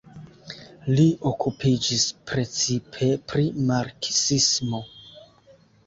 Li okupiĝis precipe pri marksismo.